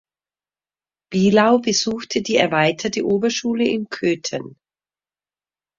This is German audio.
Bielau besuchte die Erweiterte Oberschule in Köthen.